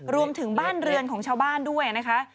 รวมถึงบ้านเรือนของชาวบ้านด้วยนะคะ